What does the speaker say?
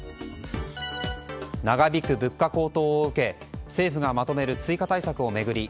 長引く物価高騰を受け政府がまとめる追加対策を巡り